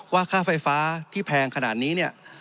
ว่าค่าไฟฟ้าที่แพงขนาดนี้